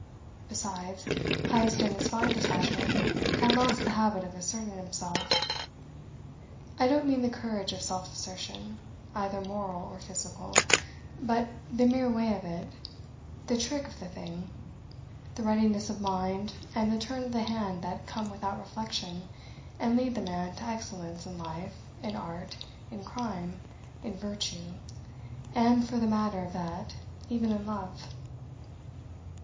Besides, Heyst in his fine detachment had lost the habit of asserting himself. I don't mean the courage of self assertion, either moral or physical, but the mere way of it, the trick of the thing, the readiness of mind and the turn of the hand that come without reflection and lead the man to excellence in life, in art, in crime, in virtue, and, for the matter of that, even in love.